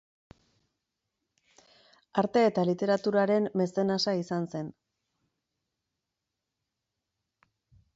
Arte eta literaturaren mezenasa izan zen.